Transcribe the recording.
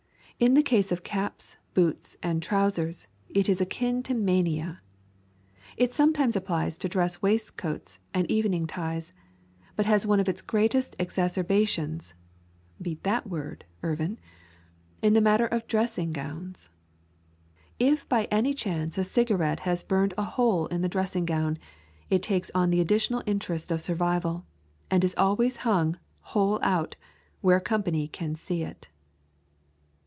In the case of caps, boots, and trousers it is akin to mania. It sometimes applies to dress waistcoats and evening ties, but has one of its greatest exacerbations (beat that word, Irvin) in the matter of dressing gowns. If by any chance a cigarette has burned a hole in the dressing gown, it takes on the additional interest of survival, and is always hung, hole out, where company can see it.